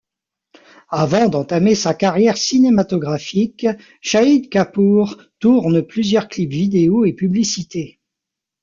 Avant d'entamer sa carrière cinématographique, Shahid Kapoor tourne plusieurs clips vidéo et publicités.